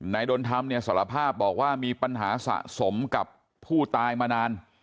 ดนธรรมเนี่ยสารภาพบอกว่ามีปัญหาสะสมกับผู้ตายมานาน